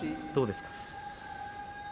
どうですか？